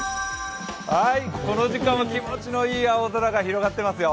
この時間は気持ちのいい青空が広がっていますよ。